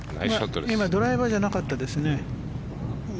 今ドライバーじゃなかったですね。